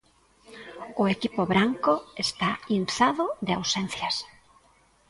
O equipo branco está inzado de ausencias.